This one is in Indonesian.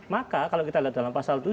maka kalau kita lihat dalam pasal tujuh